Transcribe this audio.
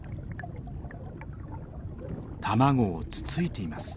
卵をつついています。